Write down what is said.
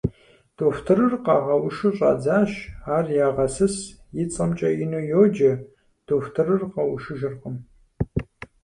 Дохутырыр къагъэушу щӀадзащ, ар ягъэсыс, и цӀэмкӀэ ину йоджэ, дохутырыр къэушыжыркъым.